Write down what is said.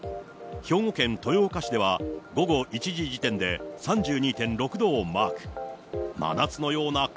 兵庫県豊岡市では、午後１時時点で３２．６度をマーク。